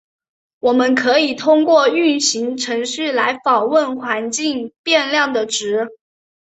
我们可以通过运行程序来访问环境变量的值。